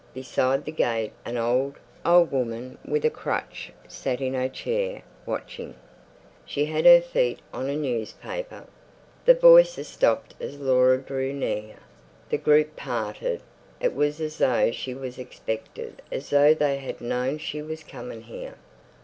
Beside the gate an old, old woman with a crutch sat in a chair, watching. She had her feet on a newspaper. The voices stopped as Laura drew near. The group parted. It was as though she was expected, as though they had known she was coming here.